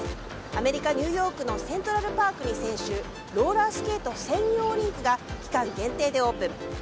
アメリカ・ニューヨークのセントラル・パークに先週ローラースケート専用リンクが期間限定でオープン。